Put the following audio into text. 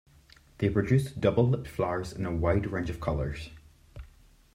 They produce double-lipped flowers in a wide range of colours.